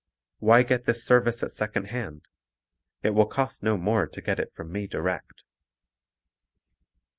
Why get this service at second hand? It will cost no more to get it from me direct.